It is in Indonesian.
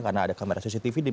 karena ada kamera cctv